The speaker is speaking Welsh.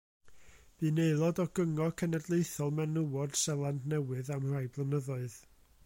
Bu'n aelod o Gyngor Cenedlaethol Menywod Seland Newydd am rai blynyddoedd.